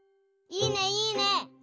いいねいいね。